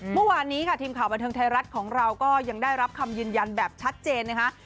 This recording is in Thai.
เมื่อวานนี้ค่ะทีมข่าวบันเทิงไทยรัฐของเราก็ยังได้รับคำยืนยันแบบชัดเจนนะคะ